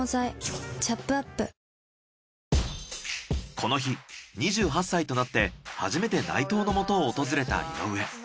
この日２８歳となって初めて内藤のもとを訪れた井上。